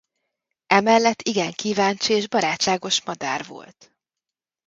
Emellett igen kíváncsi és barátságos madár volt.